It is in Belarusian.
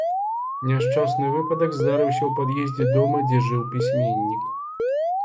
Няшчасны выпадак здарыўся ў пад'ездзе дома, дзе жыў пісьменнік.